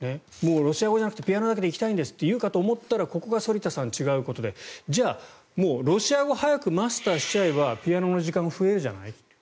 ロシア語じゃなくてピアノだけでいきたいんですって言うかと思ったらここが反田さん、違うところでじゃあ、もうロシア語を早くマスターしちゃえばピアノの時間が増えるじゃない？